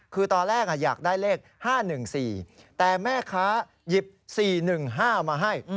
คือตอนแรกอยากได้เลข๕๑๔แต่แม่ค้าหยิบ๔๑๕มาให้